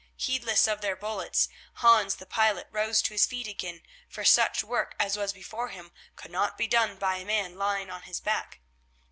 Heedless of their bullets, Hans the pilot rose to his feet again, for such work as was before him could not be done by a man lying on his back.